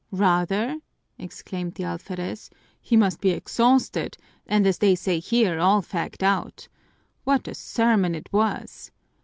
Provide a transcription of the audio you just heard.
"Rather?" exclaimed the alferez. "He must be exhausted, and as they say here, all fagged out. What a sermon it was!"